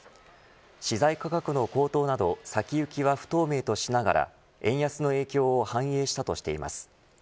資材価格の高騰など先行きは不透明としながら円安の影響を反映したとしています。